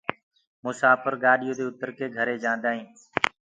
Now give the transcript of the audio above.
مساڦر گآڏيو دي اُتر ڪي گھرينٚ جآنٚدآئينٚ